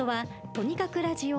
とにかくラジオ？